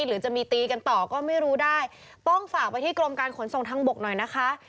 หรือจะมีตีกันต่อก็ไม่รู้ได้ต้องฝากไปที่กรมการขนส่งทางบกหน่อยนะคะ